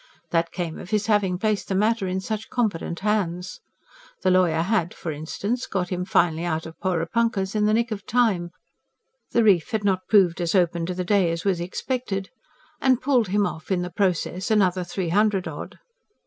That came of his having placed the matter in such competent hands. The lawyer had, for instance, got him finally out of "Porepunkahs" in the nick of time the reef had not proved as open to the day as was expected and pulled him off, in the process, another three hundred odd.